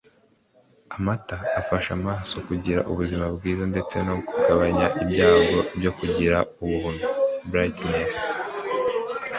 Amata afasha amaso kugira ubuzima bwiza ndetse no kugabanya ibyago byo kugira ubuhumyi(blindness)